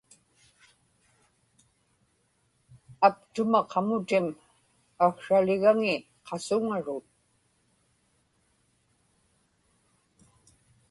aptuma qamutim aksraligaŋi qasuŋarut